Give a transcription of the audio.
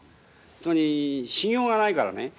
つまり信用がないからね。